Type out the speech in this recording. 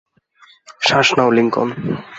শ্বাস নাও, লিংকন।